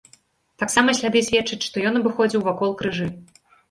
Таксама сляды сведчаць, што ён абыходзіў вакол крыжы.